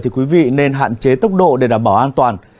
thì quý vị nên hạn chế tốc độ để đảm bảo an toàn